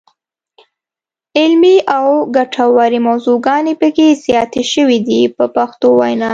علمي او ګټورې موضوعګانې پکې زیاتې شوې دي په پښتو وینا.